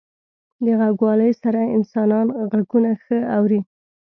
• د غوږوالۍ سره انسانان ږغونه ښه اوري.